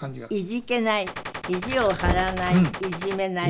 いじけない意地を張らないいじめない。